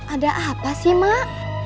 ada apa sih mak